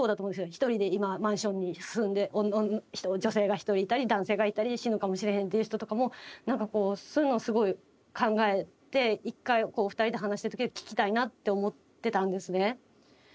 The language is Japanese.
一人で今マンションに住んで女性が一人いたり男性がいたり死ぬかもしれへんっていう人とかも何かこうそういうのすごい考えて一回お二人で話してる時に聞きたいなって思ってたんですね。